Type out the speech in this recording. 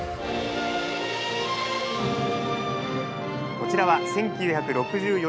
こちらは１９６４年の番組。